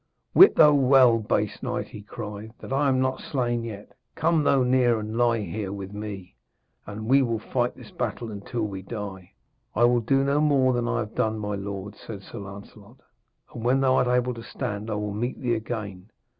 'Wit thou well, base knight,' he cried, 'that I am not slain yet. Come thou near and lie here with me, and we will fight this battle until we die.' 'I will do no more than I have done, my lord,' said Sir Lancelot, 'and when thou art able to stand I will meet thee again.